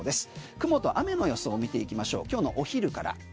雲と雨の予想を見ていきましょう今日のお昼から。